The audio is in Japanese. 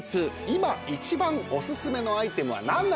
今一番お薦めのアイテムは何なのか？